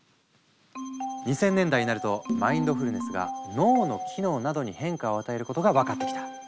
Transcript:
２０００年代になるとマインドフルネスが脳の機能などに変化を与えることが分かってきた。